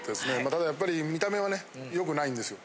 ただやっぱり見た目はねよくないんですよ。